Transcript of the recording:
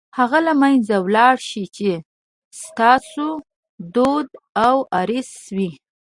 هغه له منځه وړلای شئ چې ستاسو دود او ارث وي.